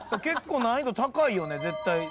結構難易度高いよね絶対。